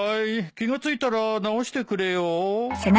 気が付いたら直してくれよ。